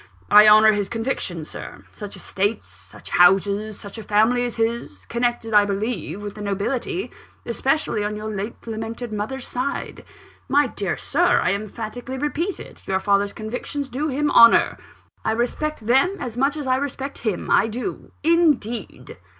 I honour his convictions, sir. Such estates, such houses, such a family as his connected, I believe, with the nobility, especially on your late lamented mother's side. My dear Sir, I emphatically repeat it, your father's convictions do him honour; I respect them as much as I respect him; I do, indeed."